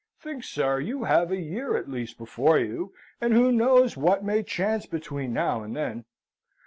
Think, sir, you have a year at least before you, and who knows what may chance between now and then.